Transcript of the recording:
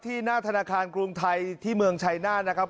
หน้าธนาคารกรุงไทยที่เมืองชัยนาธนะครับ